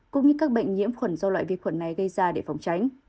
cũng như các bệnh nhiễm khuẩn do loại vi khuẩn này gây ra để phòng tránh